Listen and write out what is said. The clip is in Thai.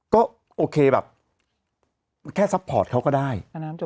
ก็โอเคแบบแค่ซัพพอร์ตเขาก็ได้